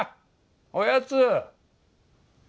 おやつ。